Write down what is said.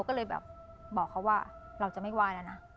ก็เลยแบบบอกเขาว่าเราจะไม่ไหว้แล้วนะ